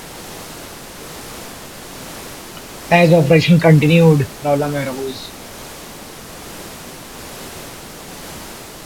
As operation continued, problems arose.